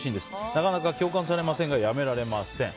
なかなか共感されませんがやめられません。